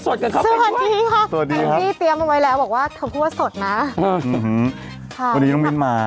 สวัสดีค่ะสวัสดีพี่เตรียมเอาไว้แล้วบอกว่าเธอพูดว่าสดนะค่ะวันนี้น้องมิ้นมา